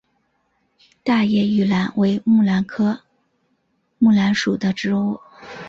大叶玉兰为木兰科木兰属的植物。